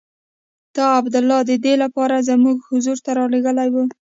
تا عبدالله د دې لپاره زموږ حضور ته رالېږلی وو.